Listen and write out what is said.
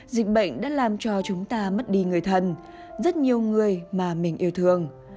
dịch bệnh đã làm cho chúng ta mất đi người thân rất nhiều người mà mình yêu thương